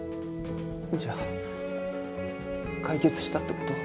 じゃあ解決したって事？